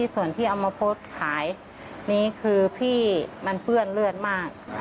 ส่วนที่เอามาโพสต์ขายนี้คือพี่มันเปื้อนเลือดมาก